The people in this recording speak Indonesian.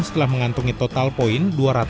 setelah mengantungi total poin dua ratus delapan